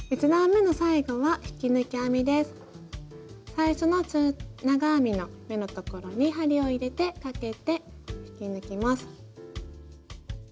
最初の中長編みの目のところに針を入れてかけて引き抜きます。